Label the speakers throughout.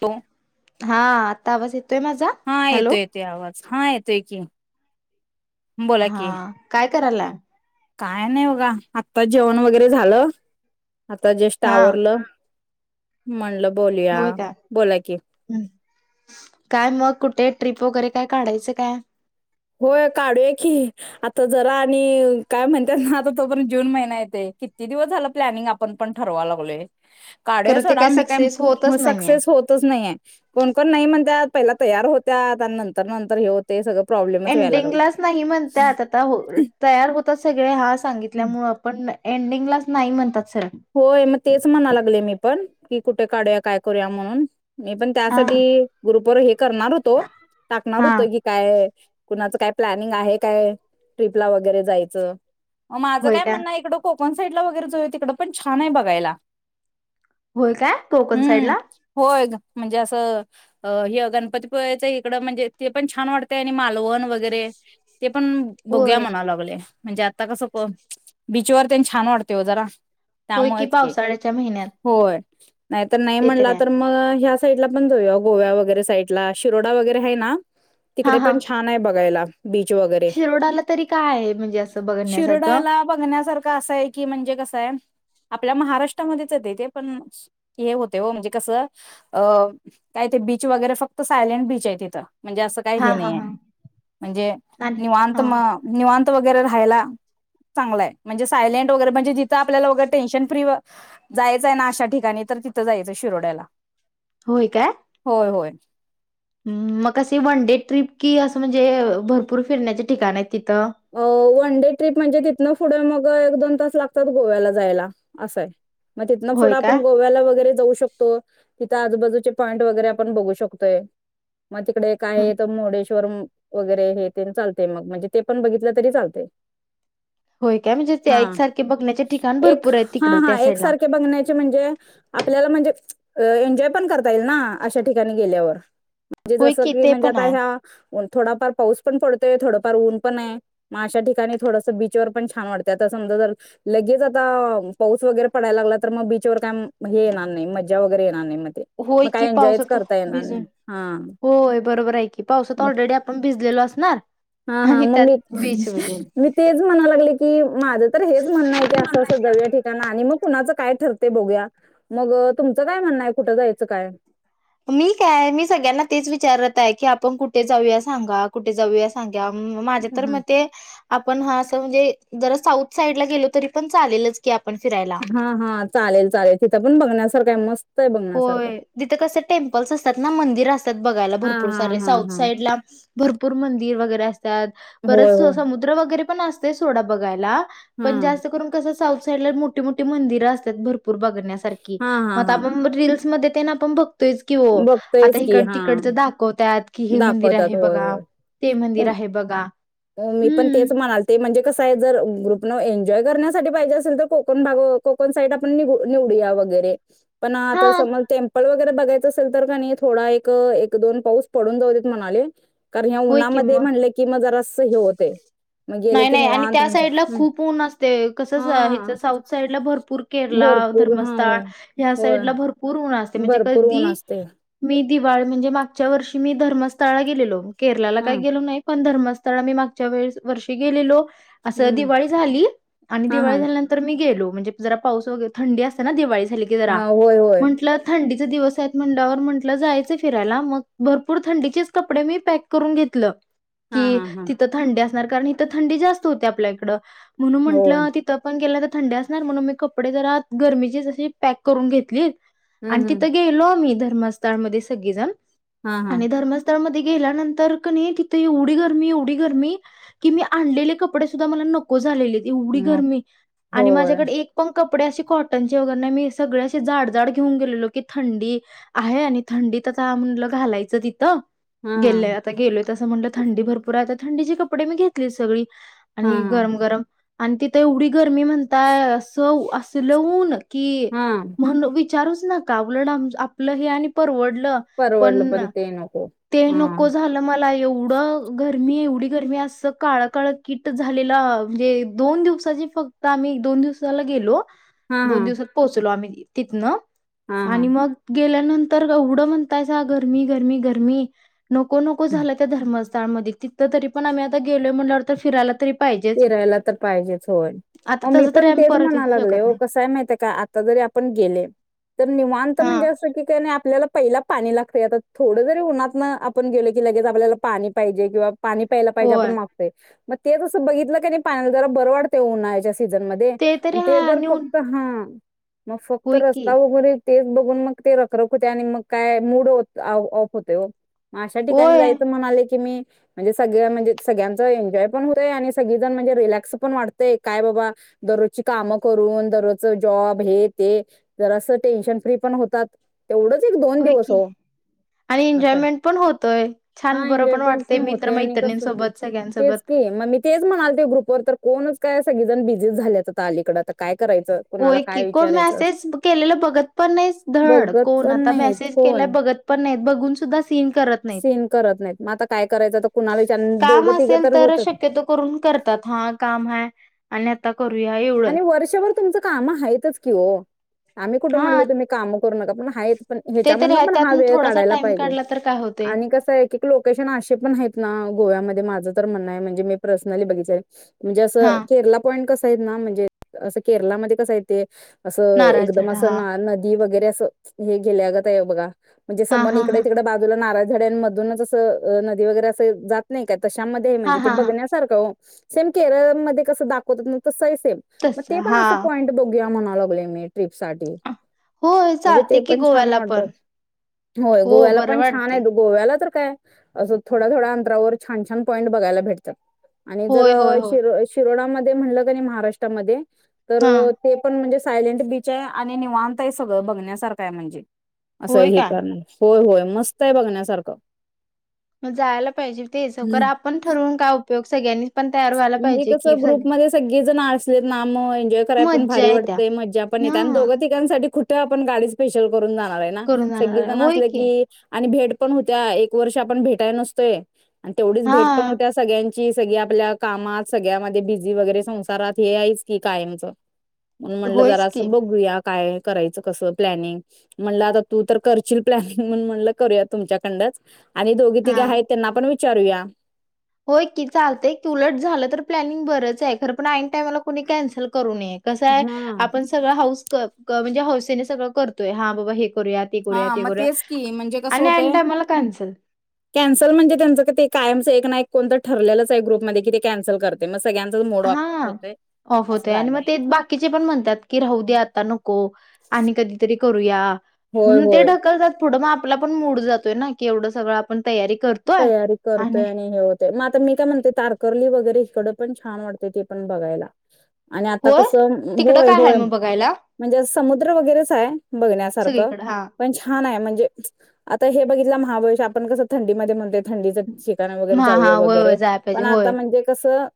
Speaker 1: तो.
Speaker 2: हा... आता आवाज ये
Speaker 1: हा येतोय. येते आवाज. हा.. येतोय कीं.
Speaker 2: हा... काय? कराला..
Speaker 1: काय नाय बगा. अत्ता जेवण वैगरे झालं. आता जष्ट
Speaker 2: हा
Speaker 1: आवरलं.. मणलंब- बोलूया
Speaker 2: होय का
Speaker 1: बोलाय कि-
Speaker 2: काय मग कुठे ट्रिप वगैरे काय काढायचं काय.
Speaker 1: होय काढूय की आता जरा आणि काय म्हणतात ना आता तो पण जून महिना येते किती दिवस झाला प्लॅनिंग आपण पण ठरवा लागलोय. काढूया
Speaker 2: खरं ते
Speaker 1: सडा मी काय
Speaker 2: सक्सेस होतच नाहीये
Speaker 1: सक्सेस होतच नाहीय कोणकण नाही म्हणत- पहिला तयार होत्या त्या नंतर नंतर हे होते सगळ-
Speaker 2: एंडिंगलाच नाही म्हणतत आता तयार होतात सगळे हा सांगितल्यामु आपण नाही. एंडिंगलाच नाही म्हणतात. सर
Speaker 1: होय मग तेच म्हणा लागले मी पण की - कुठे काढूया काय करूया म्हणून- मी पण
Speaker 2: हा
Speaker 1: त्यासाठी ग्रुपवर हे करणार होतो टाकणार
Speaker 2: हा
Speaker 1: होतो की काय- कुणाचं काय प्लॅनिंग आहे काय ट्रिपला वगैरे जायचं. म माझं
Speaker 2: होय
Speaker 1: काय
Speaker 2: का
Speaker 1: म्हणं इडं खोक- वन साई ला वगैरे आहे तिकडे- पण छान आहे बघायला-
Speaker 2: होय काय कोकण साईड
Speaker 1: हम्म
Speaker 2: ला-
Speaker 1: होय ग, म्हणजे असं हे गणपतीपुळे पचं इकड म्हणजे ते पण छान वाटतय आणि मालवन. लोहन वगैरे ते पण बोघ्या
Speaker 2: होय
Speaker 1: म्हणा लागले. म्हणजे आता कसं बीचवर त्यांनी छान वाटते हो जरा-
Speaker 2: होय की
Speaker 1: त्यामुळेच
Speaker 2: पावसाळ्याच्या महिन्यात-
Speaker 1: नाही तरर नाही
Speaker 2: ते तरी
Speaker 1: म्हणला
Speaker 2: आहे
Speaker 1: तर मग ह- साईड ला पण जाऊया गोव्या वगैरे साईड ला शिरोड वगैरे आहे ना-
Speaker 2: हा
Speaker 1: तिकडे
Speaker 2: हा
Speaker 1: पण छान आहे बघायला. बीच वगैरे
Speaker 2: शिरोडाला तरी काय आहे म्हणजे असं बघण्यासारखं.
Speaker 1: का असं आहे की म्हणजे कसं आहे आपल्या महाराष्ट्रामध्येच येत ते पण हे होते हो म्हणजे कसं अ काय ते बीच वगैरे फक्त सायलेंट बीच आहे तिथं. म्हणजे असं काही
Speaker 2: हा
Speaker 1: हे
Speaker 2: हा
Speaker 1: नाही आहे
Speaker 2: हा
Speaker 1: म्हणजे
Speaker 2: आणि
Speaker 1: निवांत
Speaker 2: हा
Speaker 1: म निवांत- वगैरे राहिला चांगला हे म्हणजे सायलेंट वगैरे म्हणजे तिथे आपल्याला वगैरे- टेनशन फ्री वा- जायचंय ना अशा ठिकाणी तर त- कुठ जायचं शिरोड्याला.
Speaker 2: होय काय
Speaker 1: होय होय
Speaker 2: मग असे वन डे ट्रीप कि असं म्हणजे भरपूर फिरण्याचे ठिकाण आहेत. तिथं
Speaker 1: सडे ट्र्रीप म्हणजे तिथनं पुढे मग एक दोन तास लागतात गोव्याला जायला असंय मग तिथन
Speaker 2: होय
Speaker 1: पुढं
Speaker 2: काय?
Speaker 1: आपण गोव्याला वगैरे जाऊ शकतो तिथं आजूबाजूचे पॉईंट वगैरे आपण बघू शकतोय मग तिकडे एक आहे मोडेश शोरूम वगैरे हे तेन चालतंय मग म्हणजे ते पण बघितलं तरी चालत
Speaker 2: होय काय म्हणजे त्या
Speaker 1: हा
Speaker 2: एकसारखे बघण्याचे ठिकाण
Speaker 1: एक
Speaker 2: भरपूर आहेत
Speaker 1: हा
Speaker 2: तिकडं त्या
Speaker 1: हा
Speaker 2: साईडला.
Speaker 1: एकसारखे बघण्याचे म्हणजे आपल्याला म्हणजे अ एन्जॉय पण करता येईल ना अशा ठिकाणी गेल्यावर म्हणजे
Speaker 2: होय
Speaker 1: जस
Speaker 2: की
Speaker 1: कि
Speaker 2: ते
Speaker 1: म्हणजे
Speaker 2: पण
Speaker 1: आता
Speaker 2: आहे
Speaker 1: ह्या थोडाफार पाऊस पण पडतो थोडफार ऊन पण मग अशा ठिकाणी थोडस बीचवर पण छान वाटत आ समजा जर लगेच आता पाऊस वगैरे पडायला लागला तर मग बीचवर काय हे येणार नाही मज्जा वगैरे येणार नाही मग ते
Speaker 2: होय
Speaker 1: मग
Speaker 2: की
Speaker 1: काय एन्जॉयच
Speaker 2: पावसात
Speaker 1: करता येणार
Speaker 2: भिजून
Speaker 1: नाही हा
Speaker 2: होय बरोबर आहे कि पावसात ऑलरेडी आपण भिजलेलो असणार
Speaker 1: हा हा
Speaker 2: आणि
Speaker 1: मग
Speaker 2: त्यात
Speaker 1: मी
Speaker 2: बीचमध्ये.
Speaker 1: मी तेच म्हणायला लागले की माझं तर हेच म्हणणं आहे की अशं दव ठिकाण आणि मग कुणाच काय काय ठरते बोघुया मग तुमचं काय म्हणणं आहे कुठं जायचं काय
Speaker 2: मी काय मी सगळ्यांना तेच विचारत आहे की आपण कुठे जाऊया सांगा कुठे जाऊया सांगा माझ्या तर मग ते आपण हा असं म्हणजे जर साऊथ साईड ला गेलो तरी पण चालेलच की फिरायला.
Speaker 1: हा हा चालेल चालेल तिथं पण बघण्यास सर काय मस्त आहे बघण्यासारखं
Speaker 2: होय तिथे कस टेम्पल्स असतात ना मंदिर असतात बघायला
Speaker 1: हा
Speaker 2: भरपूर
Speaker 1: हा
Speaker 2: सारे
Speaker 1: हा
Speaker 2: साऊथ
Speaker 1: हा
Speaker 2: साईड ला भरपूर मंदिर वगैरे अस त्यात
Speaker 1: होय
Speaker 2: परत
Speaker 1: होय
Speaker 2: समुद्र वगैरे पण असते सोडा बघायला पण
Speaker 1: हम्म
Speaker 2: जास्त करून कस साऊथ साईडला मोठी मोठी मंदिरं असतात भर पूर बघण्यासारखी
Speaker 1: हा हा हा
Speaker 2: मग फिल्मसमध्ये येन आपण बघ तोयच की ओ आता
Speaker 1: बघतोयच की
Speaker 2: इकडच
Speaker 1: हा
Speaker 2: तिकडचं दाखवतात कि हे मंदिर
Speaker 1: दाखवतात
Speaker 2: आहे
Speaker 1: होय
Speaker 2: बघा
Speaker 1: होय
Speaker 2: ते मंदिर आहे बघा
Speaker 1: मी पण
Speaker 2: हम्म
Speaker 1: तेच म्हणाल ते म्हणजे कसं आहे जर ग्रुपन एन्जॉय करण्या साठी पाहिजे असेल तर कोकण भाग कोकण साईड आपण नि निवडूया वगैरे पण
Speaker 2: हा
Speaker 1: आता समज टेम्पल व बघायच असे तर का थोडा एक एक दोन पाऊस पडून जाऊदेत म्हणालोय कारण या
Speaker 2: होय कि मग
Speaker 1: उन्हामध्ये म्हणले की मग जरा हे होते मग गेले
Speaker 2: नाही
Speaker 1: की
Speaker 2: नाही आणि
Speaker 1: निवांत
Speaker 2: त्या
Speaker 1: म्हणजे
Speaker 2: साईडला
Speaker 1: हम्म
Speaker 2: खूप ऊन असते कस
Speaker 1: हा
Speaker 2: साऊथ साईडला भरपूर केरला
Speaker 1: भरपूर हा
Speaker 2: धर्मस्थळ
Speaker 1: होय
Speaker 2: ह्या
Speaker 1: होय
Speaker 2: साईडला भरपूर ऊन असते म्हणजे
Speaker 1: भरपूर ऊन
Speaker 2: कधी
Speaker 1: असतयं
Speaker 2: मी दिवाळी म्हणजे मागच्या वर्षी मी धर्मस्थळा गेलेलो केरलाला
Speaker 1: हा
Speaker 2: काही गेलो नाही धर्मस्थळ असता मी मागच्या वेळेस वर्षी गेलेलो असं
Speaker 1: हम्म
Speaker 2: दिवाळी झाली आणि
Speaker 1: हा हा.
Speaker 2: दिवाळी झाल्यानंतर मी गेलो. म्हणजे जरा पाऊस वगैर थंडी असते ना दिवाळी झाली की जरा
Speaker 1: हा होय होय.
Speaker 2: म्हटलं थंडीत दिवस आहेत म्हटलं जायचं फिरायला मग भरपूर थंडीचेच कपडे मी पॅक करून घेतलं.
Speaker 1: हा
Speaker 2: कि
Speaker 1: हा हा.
Speaker 2: तिथं थंड अस. कारण इथं थंडी जास्त होते आपल्या इकड. म्हणून
Speaker 1: होय.
Speaker 2: म्हटलं तिथं पण गेलं तर थंडी असणार म्हणून मी कपडे जरा गरमीचीच अशी पॅक करून घेतलीत. आणि
Speaker 1: हम्म हम्म
Speaker 2: तिथं गेलो आम्ही धर्मस्थानमध्ये सगळेजण.
Speaker 1: हा हा.
Speaker 2: आणि धर्मस्थळमध्ये गेल्यानंतर तर कनी तिथे एवढी गरमी एवढी गरमी की मी आणलेले कपडे सुद्धा मला नको झालेले. एवढी
Speaker 1: मग
Speaker 2: गरमी आणि
Speaker 1: होय.
Speaker 2: माझ्याकडे एक पण कपडे अे कॉटन वगैरे नाही मी सगळे असे जाड जाड घेऊन गेलेलो की थंडी आहे आणि थंडीत आता म्हटलं घालायचं तिथ
Speaker 1: हम्म हम.
Speaker 2: गेलोय तस म्हटलं थंडी भरपूर आहेता थंडीचे कपडे मी घेतले सगळी.
Speaker 1: हा
Speaker 2: आणि
Speaker 1: हा.
Speaker 2: गरम गरम आणि तिथ एवढी गर्मी म्हणताय असं असल ऊन की
Speaker 1: हा
Speaker 2: विचारूच नका उलट आपलं हे आणि परवडल
Speaker 1: परवडलं पण ते नको हा.
Speaker 2: नको झालं मला एवढं गरमी एवढी गरमी असं काळ काळ कीट झालेला म्हणजे दोन दिवसाची फक्त आम्ही दोन दिवसाला गेलो.
Speaker 1: हा हा
Speaker 2: दोन दिवसात पोहोचलो आम्ही तिथन
Speaker 1: हा
Speaker 2: आणि मग गेल्या नंतर एवढं म्हणतायसा गरमी, गरमी, गरमी नको नको
Speaker 1: हा.
Speaker 2: झालं त्या धर्मस. त्यामदी तिथं तरी पण आम्ही आता गेलोय म्हटल्यावर तर फिरायला तर
Speaker 1: फिरायला तर पाहिजेच, होय
Speaker 2: आता
Speaker 1: म मी
Speaker 2: तसं तरी
Speaker 1: पण
Speaker 2: आम्ही
Speaker 1: तेच
Speaker 2: परत
Speaker 1: म्हणाय
Speaker 2: येऊ
Speaker 1: लागले
Speaker 2: शकत
Speaker 1: हो
Speaker 2: नाही
Speaker 1: कसय माहितय काय आता जरी आपण गेले तर निवांत म्हणजे असं की नाही आपल्याला पहिला पाणी लाग तरी आता थोडं जरी उन्हात ना आपण गेलो की लगेच आपल्याला पाणी पाहिजे किंवा पाणी प्यायला पाहिजे आपण
Speaker 2: होय
Speaker 1: मागतय म तेजस बघितलं क नाही पान जरा बर वाटतेय उन्हाळ्याच्या सीझन मध्ये,
Speaker 2: तरी
Speaker 1: आणि ते
Speaker 2: हा
Speaker 1: जर
Speaker 2: नेऊन
Speaker 1: फक्त हां मग फक्त
Speaker 2: होय की
Speaker 1: रस्ता वगरे तेच बघून मग ते रखरख होते आणि मग काय मूड ओ ऑफ होतय हो अशा ठिकाणी
Speaker 2: होय
Speaker 1: जायचं म्हणाले की मी म्हणजे सगळ म्हणजे सगळनचं एन्जॉय पण आणि सगळीजण म्हणजे रिलॅक्स पण वाटतय. काय बाबा दररोजची कामं करून दररोज जॉब हे ते जरास टेन्शन फ्री पण होतात. तेवढंच एक दोन
Speaker 2: होय
Speaker 1: दिवस
Speaker 2: की,
Speaker 1: हो
Speaker 2: आणि
Speaker 1: असं आहे.
Speaker 2: एन्जॉयमेंट पण होतोय छान
Speaker 1: हा
Speaker 2: बरं पण
Speaker 1: एन्जॉयमेंट
Speaker 2: वाटतय मित्र
Speaker 1: होते आणि कसं
Speaker 2: मैत्रिणींसोबत
Speaker 1: तेच
Speaker 2: सगळ्यांसोबत.
Speaker 1: की मग मी तेच म्हणाल ते ग्रुपवर तर कोणच काय सगळे जण बिझी झालेत आता अलीकडं आता काय करायचं कुणाला
Speaker 2: होय की,
Speaker 1: काय
Speaker 2: कोण
Speaker 1: विचारायचं
Speaker 2: मेसेज केलेला बघत पण नाही धड
Speaker 1: बघत
Speaker 2: कोण
Speaker 1: पण
Speaker 2: आता
Speaker 1: नाहीत
Speaker 2: मेसेज केलाय
Speaker 1: होय.
Speaker 2: बघत पण नाही बघून सुद्धा सीन करत नाहीत,
Speaker 1: सीन करत नाहीत मग आता काय करायचं तर कुणाला विचार
Speaker 2: काम
Speaker 1: दोघं तिघं
Speaker 2: असेल
Speaker 1: तर
Speaker 2: तरच
Speaker 1: होतच
Speaker 2: शक्यतो करून करतात. हा काम हाय. आणि आता करूया एवढंच
Speaker 1: आणि वर्षभर तुमच कामा हैतच कि हो आम्ही कुट
Speaker 2: हा
Speaker 1: म्हणलं तूम्ही काम पण हायत पण
Speaker 2: ते
Speaker 1: ह्याच्या
Speaker 2: तरी आहे
Speaker 1: पण हा
Speaker 2: त्यातून
Speaker 1: वेळ
Speaker 2: थोडासा
Speaker 1: काढायला
Speaker 2: टाइम
Speaker 1: पाहिजे,
Speaker 2: काढला तर काय होते
Speaker 1: आणि कस आहे की लोकेशन असे पण आहेत ना गोव्यामध्ये मा माझं तर म्हणणं आहे म्हणजे मी पर्सनली बघितलय. म्हणजे
Speaker 2: हा
Speaker 1: असं केरला पॉईंट कस [unintelligible] ते असं केरलामध्ये कसये ते असं
Speaker 2: नारळ
Speaker 1: एकदम
Speaker 2: झाड हा
Speaker 1: असं ना, नदी वगैरे हे गेल्यागत आहे बघा. म्हणजे
Speaker 2: हा
Speaker 1: समर न
Speaker 2: हा
Speaker 1: इकडे
Speaker 2: हा
Speaker 1: तिकडे बाजूला नारळ झड्यानमधूनच अस, नदी वगैरे अस जात नाही का? तशामध्ये
Speaker 2: हा
Speaker 1: म्हणजे ते
Speaker 2: हा हा
Speaker 1: बघण्यासारखं हो सेम केरळ मध्ये कसं दाखवतात ना तस आहे सेम. मग
Speaker 2: तस
Speaker 1: ते पण
Speaker 2: हा
Speaker 1: असं पॉईंट बघू या म्हण [unintelligible] ट्रीप साठी
Speaker 2: होय
Speaker 1: म्हणजे ते
Speaker 2: चालते की
Speaker 1: पण छान
Speaker 2: गोव्याला पण
Speaker 1: वाटत होय
Speaker 2: हो
Speaker 1: गोव्याला
Speaker 2: बरं
Speaker 1: पण छान
Speaker 2: वाटते
Speaker 1: आहे गोव्याला तर काय असं थोड्या थोड्या अंतरावर छानछान पॉईंट बघायला भेटतात. आणि जर
Speaker 2: होय होय
Speaker 1: श
Speaker 2: होय
Speaker 1: शिरोडामध्ये ते म्हणलं कणी महाराष्ट मध्ये तर
Speaker 2: हा
Speaker 1: ते पण म्हणजे सायलेंट बीच आहे आणि निवांत आहे सगळं बघण्यासारखं आहे म्हणजे. असं
Speaker 2: होय
Speaker 1: हे
Speaker 2: काय
Speaker 1: करण, होय होय. मस्त आहे बघण्यासारखं.
Speaker 2: ग जायला पाहिजे ते सवकार
Speaker 1: हम्म
Speaker 2: आपण ठरवून का उपयोग सगळ्यांनी पण तयार व्हायला
Speaker 1: म्हणजे,
Speaker 2: पाहिजे की
Speaker 1: कसं
Speaker 2: सग
Speaker 1: ग्रुपमध्ये सगळी जण असलेत मं एन्जॉय कराय पण भारी
Speaker 2: मज्जा येत्या
Speaker 1: वाटतय मज्जा पण येत्या आणि
Speaker 2: हा
Speaker 1: दोघं तिकांसाठी खु आपण गाडी स्पेशल करून जा [unintelligible]
Speaker 2: करून जाणार
Speaker 1: सगळीजण
Speaker 2: होय
Speaker 1: असली की, आणि भेट पण होत्या, एक वर्ष आपण भेटाय नसतोय आणि तेवढीच
Speaker 2: हा
Speaker 1: भेट पण होत्या सगळ्यां ची सगळ आपल्या कामात सगळ्यामध्ये बिझी वगैरे संसारात हे आहेच की कायमचं. म्हणून म्हटलं
Speaker 2: होयच
Speaker 1: जरा स
Speaker 2: की
Speaker 1: बघूया. काय करायचं कस प्लॅनिंग म्हणलं आता तू तर करशील प्लॅनिंग म्हणून म्हणलं करूया तुमच्याकडच. आणि दोघे तिघे
Speaker 2: हा
Speaker 1: आहेत त्यांना पण चारूया.
Speaker 2: होय की चालतंय उलट झालं तर प्लॅनिंग बरंच आहे. खर पण आईनं टामला कोणी कॅन्सल करू नये कसाय
Speaker 1: हा
Speaker 2: आपण सगळ हऊस म्हणजे, हौसेने सगळं करतोय हा बाबा हे. करूया ते करूया
Speaker 1: हा,
Speaker 2: ते
Speaker 1: मग
Speaker 2: करूया
Speaker 1: तेच की म्हणजे, कस
Speaker 2: आणि ऐन
Speaker 1: होतंय.
Speaker 2: टायमाला कॅन्सल
Speaker 1: कॅन्सल म्हणजे, त्यांच ते कायमच नाही कोणं तर ठरलेलंच ग्रुपमध्ये कि ते कॅन्सल करते. सगळ्यांचाच मूड ऑफ
Speaker 2: हा,
Speaker 1: होतोय
Speaker 2: ऑफ
Speaker 1: असं
Speaker 2: होतय आणि मग
Speaker 1: झालंय.
Speaker 2: ते बाकीचे पण म्हणतात की राहू दे आता नको आणि कधीतरी करूया.
Speaker 1: होय
Speaker 2: म्हणून, ते
Speaker 1: होय
Speaker 2: ढकलतात पुढं मग आपला पण मूड जातोय ना की एवढं सगळं आपण तयारी करतोय
Speaker 1: तयारी करतोय आणि हे होतंय. मग आता मी काय म्हणतोय तारकर्ली वगैरे इकड पण छान वाटते ते पण बघायला. आणि आता
Speaker 2: होय
Speaker 1: कसं
Speaker 2: तिकडं
Speaker 1: होय
Speaker 2: काय आहे
Speaker 1: होय
Speaker 2: मग बघायला
Speaker 1: म्हणजे, समुद्र वगैरेच आहे बघण्यासारख
Speaker 2: सगळीकडं हा
Speaker 1: पण छान आहे. म्हणजे, आता हे बघितलं [unintelligible] आपण कस थं मध्ये म्हण थंडीचं ठिकाण वगैरे
Speaker 2: हा
Speaker 1: जाऊया
Speaker 2: हा होय
Speaker 1: वगैरे
Speaker 2: होय जायला पाहिजे
Speaker 1: पण आता
Speaker 2: होय
Speaker 1: म्हणजे कसं.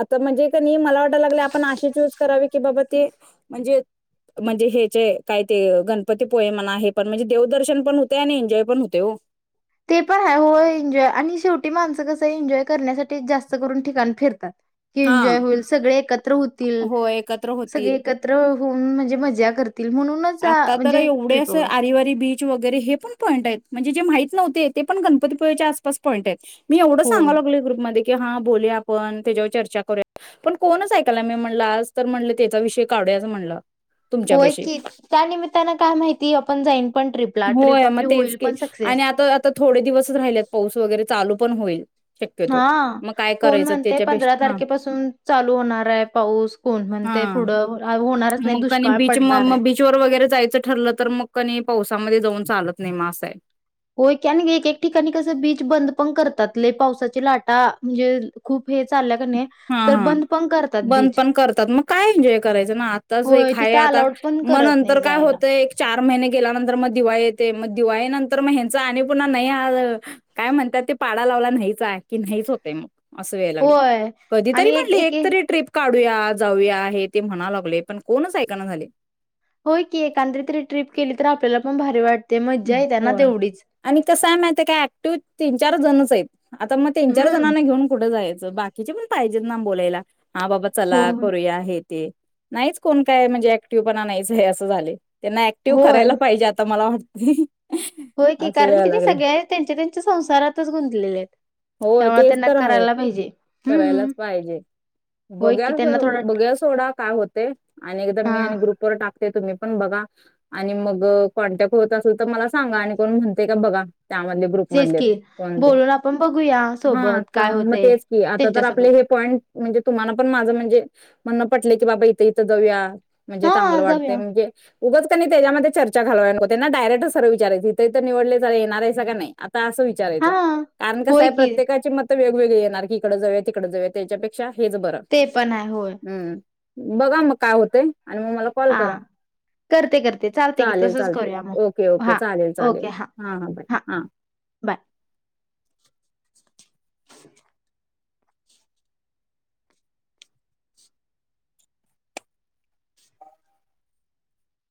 Speaker 1: आता म्हणजे कणी मला वाटायला लागले आपण अे चूज करावी की बाबा ते म्हणजे म्हणजे हेचे काय ते गणपती पोय म्हणा हे पण म्हणजे देवदर्शन पण होते आणि एन्जॉय पण होते हो.
Speaker 2: ते पण आहे हो एन्जॉय आणि शेवटी माणसं कसं एन्जॉय करण्यासाठी जास्त करून ठिकाण फिरतात. की
Speaker 1: हा
Speaker 2: एन्जॉय होईल सगळे एकत्र होतील
Speaker 1: हो एकत्र
Speaker 2: सगळे
Speaker 1: होतील.
Speaker 2: एकत्र म्हणजे मजा करत.
Speaker 1: आता तर एवढे अस आरिवारी बीच र हे पण पॉंट म्हणजे माहित नव्हते ते पण गणपतीपुच्या आसपास पॉईंट मी एवढ
Speaker 2: होय.
Speaker 1: सांगाोग ग्रप ममध्ये की हा बोल आपण त्याच्यावर चर्चा करूया पण कोणच ऐकायला मी म्हणलं आज तर म्हण त्याचा विषय कावडू अस म्हणलं.
Speaker 2: होय
Speaker 1: तुमच्यापाशी
Speaker 2: की त्यानमित त्यांना काय माहिती? आपण जाईन पण ट्रिपला ट्रिप
Speaker 1: होय मग
Speaker 2: आपली
Speaker 1: तेच
Speaker 2: होईल
Speaker 1: की
Speaker 2: पण सक्सेस.
Speaker 1: आणि आता आता थोडे दिवसच राहिले पाऊस वगैरे चालू पण होईल.
Speaker 2: हा
Speaker 1: शक्यतो. मग काय
Speaker 2: कोण
Speaker 1: करायचं
Speaker 2: म्हणते पंधरा
Speaker 1: त्याच्यापेक्षा हा
Speaker 2: तारखेपासून चालू होणार आहे पाऊस कोण म्हणते
Speaker 1: हा
Speaker 2: पुढं होणारच नाही
Speaker 1: मग कणी
Speaker 2: दुष्काळ
Speaker 1: बीच म
Speaker 2: पडणार आहे.
Speaker 1: मग पासामध्ये जाऊन चालत नाहीे मा असं आहे.
Speaker 2: हो एक एक ठिकाणी कस बीच बंद पण करतात पावसाची लाटा म्हणजे खूप हे चा
Speaker 1: हा हा बंद पण करतात मग काय एन्जॉय करायचं ना आताच
Speaker 2: होय
Speaker 1: एक आहे
Speaker 2: तिथं
Speaker 1: आता
Speaker 2: अलाउड पण
Speaker 1: म
Speaker 2: करत नाही
Speaker 1: नंतर काय
Speaker 2: जायला.
Speaker 1: होतय एक चार महिने गेल्यानंतर म दिवाळी येते मग दिवाळी नंतर मग हचा आणि पुन्हा नाही काय म्हणतात ते पाडा लावला नाहीचा की नाहीच होते मग अस वेला
Speaker 2: होय
Speaker 1: भ कधीतरी
Speaker 2: आणि
Speaker 1: म्हटले एक
Speaker 2: एके
Speaker 1: तरी ट्र्रीप काढून. ूया जाऊया हे ते म्हणा लागले पण कोणच ऐकना झाले.
Speaker 2: होय की एकत्र तरी ट्र्रीप केली तर आपल्याला पण भारी वाटते. मज्जा येत्या
Speaker 1: हो
Speaker 2: ना तेवढीच.
Speaker 1: आणि कसं आहे माहित काय ऍक्टिव्ह तीन चार जणच आहेत. आता मग तीन चार
Speaker 2: हम्म.
Speaker 1: जणांना घेऊन कुठं जाय. बाकीचे पण पाहिजेत ना बोलायला. हा बाबा चला
Speaker 2: होय.
Speaker 1: करूया आहेत. ते नाहीच कोण काय म्हणजे ऍक्टिव पणा नाहीच आहे असं झाले. त्यांना ऍक्टिव्ह
Speaker 2: होय.
Speaker 1: करायला पाहिजे आताला वाट [inaudible]
Speaker 2: होय की
Speaker 1: अस
Speaker 2: कारण
Speaker 1: याय
Speaker 2: की ते
Speaker 1: लागले
Speaker 2: सगळे त्यांच्या त्यांच्या संसारातच गुंतलेले आहेत.
Speaker 1: होय
Speaker 2: त्यामुळे
Speaker 1: तेच
Speaker 2: त्यांना
Speaker 1: तर आहे
Speaker 2: करायला पाहिजे. हम्म.
Speaker 1: करायलाच पाहिजे
Speaker 2: होय की
Speaker 1: बघ्यास
Speaker 2: त्यांना थोडं
Speaker 1: बघ्या सोडा काय होते आणि एकदा मी
Speaker 2: हा
Speaker 1: आणि ग्रुपवरर टाकते तुम्ही बा म होत असेल तर मला सांगा आणि कोण म्हणते का बघा. त्यामधले
Speaker 2: तेच
Speaker 1: ग्रुपमधले
Speaker 2: की
Speaker 1: कोणते
Speaker 2: बोलून आपण बघूया
Speaker 1: हा
Speaker 2: सोबत
Speaker 1: तर
Speaker 2: काय
Speaker 1: मग
Speaker 2: होतय
Speaker 1: तेच की आता तर
Speaker 2: त्यांच्यासोबत
Speaker 1: आपले हे पॉईंट म्हणजे तुम्हाला पण माझं म्हणजे म्हणं पटले की बाबा इथं इथं जाऊया म्हणजे
Speaker 2: हा
Speaker 1: चांगलं वाटतय
Speaker 2: जाऊया
Speaker 1: म्हणजे उगच क त्याच्यामध्ये चर्चा घालय त्यांना डायरेक्ट सर विचारयचथ तर निवले येणारयं का नाही असं
Speaker 2: हा
Speaker 1: विचारायचं कारण का
Speaker 2: होय
Speaker 1: साहेब
Speaker 2: की
Speaker 1: प्रत्येकाचे म वेगवेगळे येणार की इकडे जाऊ तिककडे जाऊ त्याच्यापेक्षा हेच बरं
Speaker 2: ते पण आहे होय
Speaker 1: हम्म बघा मग काय होतेय
Speaker 2: हा करते करते चालते की
Speaker 1: चालेल
Speaker 2: तसच
Speaker 1: चालतंय.
Speaker 2: करूया
Speaker 1: ओके
Speaker 2: मग
Speaker 1: ओके
Speaker 2: हा
Speaker 1: चालेल
Speaker 2: ओके
Speaker 1: चालेल हा हा बाय हा
Speaker 2: बाय [unintelligible]